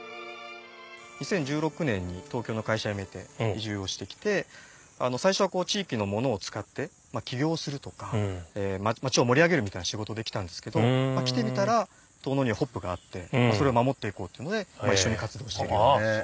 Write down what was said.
２０１６年に東京の会社辞めて移住をしてきて最初は地域のものを使って起業をするとか町を盛り上げるみたいな仕事で来たんですけど来てみたら遠野にホップがあってそれを守っていこうっていうので一緒に活動してる。